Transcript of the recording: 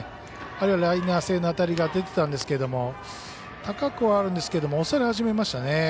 あるいはライナー性の当たりが出てたんですけど高くはあるんですが押され始めましたね。